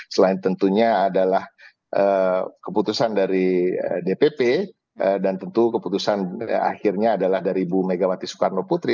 selain tentunya adalah keputusan dari dpp dan tentu keputusan akhirnya adalah dari ibu megawati soekarno putri